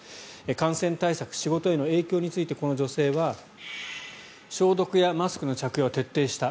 感染対策、仕事への影響についてこの女性は消毒やマスクの着用は徹底した。